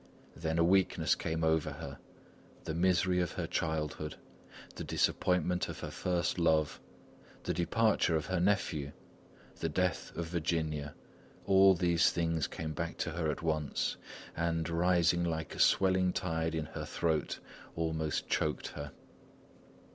Then a weakness came over her; the misery of her childhood, the disappointment of her first love, the departure of her nephew, the death of Virginia; all these things came back to her at once, and, rising like a swelling tide in her throat, almost choked her.